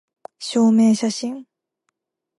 証明写真